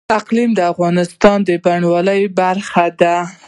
اقلیم د افغانستان د بڼوالۍ برخه ده.